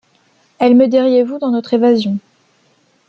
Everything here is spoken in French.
Elle M'aideriezvous dans notre évasion.